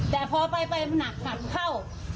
แต่พอไปหนักสั่งเข้า